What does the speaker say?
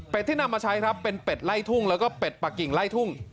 ที่นำมาใช้ครับเป็นเป็ดไล่ทุ่งแล้วก็เป็ดปากกิ่งไล่ทุ่ง